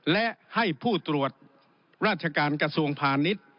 และให้ผู้ตรวจราชการกระทรวงพาณิชย์